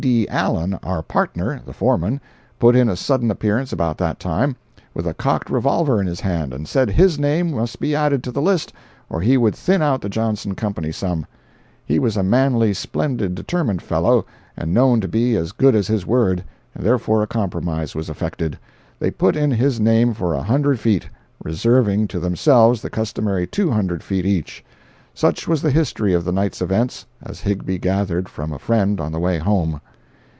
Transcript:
D. Allen our partner (the foreman) put in a sudden appearance about that time, with a cocked revolver in his hand, and said his name must be added to the list, or he would "thin out the Johnson company some." He was a manly, splendid, determined fellow, and known to be as good as his word, and therefore a compromise was effected. They put in his name for a hundred feet, reserving to themselves the customary two hundred feet each. Such was the history of the night's events, as Higbie gathered from a friend on the way home.